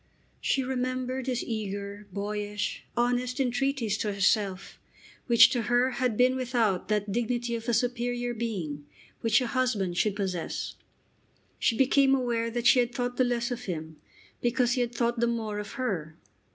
She remembered his eager, boyish, honest entreaties to herself, which to her had been without that dignity of a superior being which a husband should possess. She became aware that she had thought the less of him because he had thought the more of her.